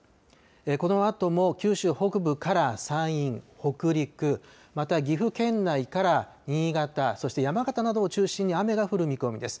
このあとも九州北部から山陰、北陸また岐阜県内から新潟、そして山形などを中心に雨が降る見込みです。